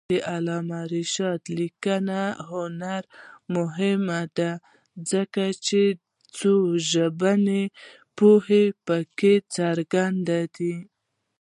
د علامه رشاد لیکنی هنر مهم دی ځکه چې څوژبني پوهه پکې څرګنده ده.